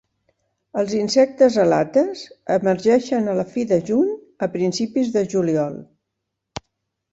Els insectes "alates" emergeixen a la fi de juny a principis de juliol.